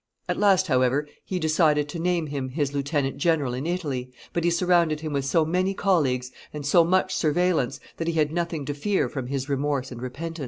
At last, however, he decided to name him his lieutenant general in Italy; but he surrounded him with so many colleagues and so much surveillance that he had nothing to fear from his remorse and repentance."